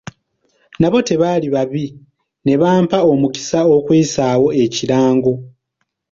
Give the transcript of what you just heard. Nabo tebaali babi ne bampa omukisa okuyisaawo ekirango.